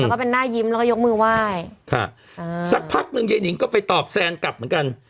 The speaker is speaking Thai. แล้วก็เป็นหน้ายิ้มแล้วก็ยกมือไหว้ค่ะอ่าสักพักหนึ่งยายนิงก็ไปตอบแซนกลับเหมือนกัน